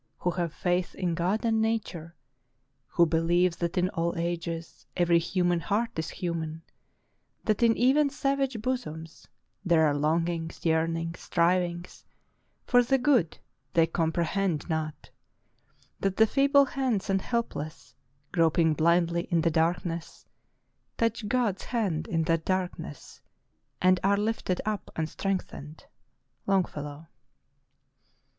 Who have faith in God and Nature, Who believe, that in all ages Every human heart is human, That in even savage bosoms There are longings, yearnings, strivings For the good they comprehend not, That the feeble hands and helpless, Groping blindly in the darkness, Touch God's hand in that darkness; — And are lifted up and strengthened." — Longfellow.